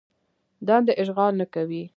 دندې اشغال نه کوي.